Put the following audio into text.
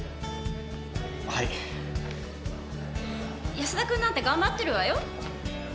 安田君なんて頑張ってるわよ。